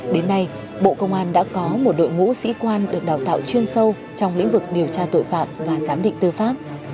đến nay bộ công an đã có một đội ngũ sĩ quan được đào tạo chuyên sâu trong lĩnh vực điều tra tội phạm và giám định tư pháp